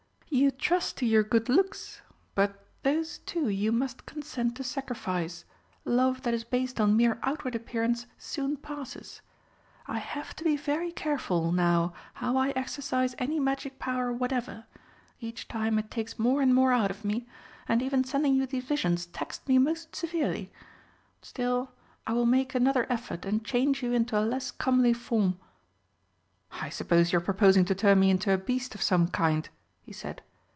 "You trust to your good looks but those, too, you must consent to sacrifice. Love that is based on mere outward appearance soon passes. I have to be very careful now how I exercise any magic power whatever each time it takes more and more out of me, and even sending you these visions taxed me most severely. Still, I will make another effort and change you into a less comely form." "I suppose you are proposing to turn me into a beast of some kind?" he said.